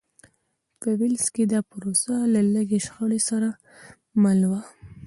په ویلز کې دا پروسه له لږې شخړې سره مل وه.